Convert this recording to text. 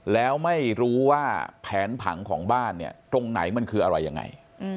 แล้วไม่รู้ว่าแผนผังของบ้านเนี่ยตรงไหนมันคืออะไรยังไง